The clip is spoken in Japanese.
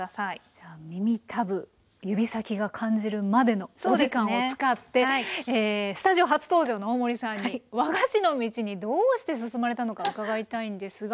じゃあ耳たぶ指先が感じるまでのお時間を使ってスタジオ初登場の大森さんに和菓子の道にどうして進まれたのか伺いたいんですが。